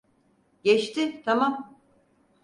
Geçti, tamam.